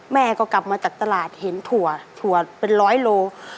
แม่ก็กลับมาจากตลาดเห็นถั่วถั่วเป็นร้อยโล